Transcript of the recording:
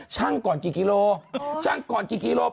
ช่างก่อนกี่กิโลกรัมช่างก่อนกี่กิโลกรัม